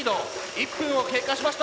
１分を経過しました。